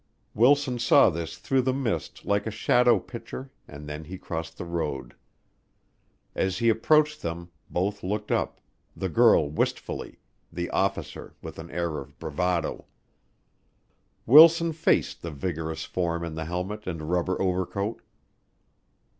Wilson saw this through the mist like a shadow picture and then he crossed the road. As he approached them both looked up, the girl wistfully, the officer with an air of bravado. Wilson faced the vigorous form in the helmet and rubber overcoat.